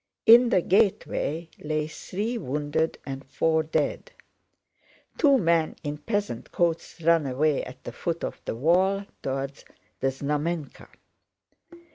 In the gateway lay three wounded and four dead. Two men in peasant coats ran away at the foot of the wall, toward the Známenka.